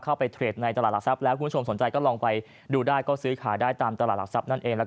ไปเทรดในตลาดหลักทรัพย์แล้วคุณผู้ชมสนใจก็ลองไปดูได้ก็ซื้อขายได้ตามตลาดหลักทรัพย์นั่นเอง